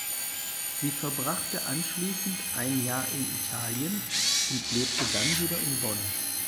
Sie verbrachte anschließend ein Jahr in Italien und lebte dann wieder in Bonn.